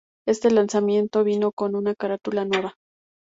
Este lanzamiento vino con una carátula nueva.